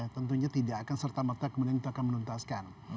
tentunya tidak akan serta merta kemudian itu akan menuntaskan